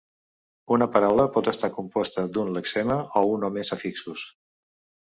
Una paraula pot estar composta d'un lexema i un o més afixos.